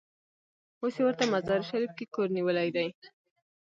اوس یې ورته مزار شریف کې کور نیولی دی.